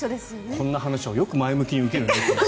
こんな話をよく前向きに受けるね。